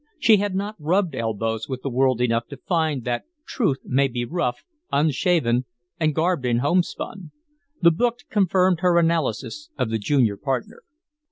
She had not rubbed elbows with the world enough to find that Truth may be rough, unshaven, and garbed in homespun. The book confirmed her analysis of the junior partner.